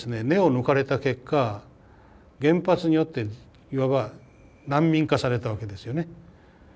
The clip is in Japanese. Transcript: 根を抜かれた結果原発によっていわば難民化されたわけですよね。